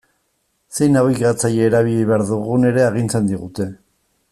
Zein nabigatzaile erabili behar dugun ere agintzen digute.